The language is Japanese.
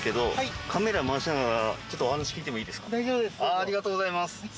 ありがとうございます！